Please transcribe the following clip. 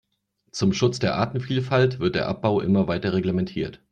Zum Schutz der Artenvielfalt wird der Abbau immer weiter reglementiert.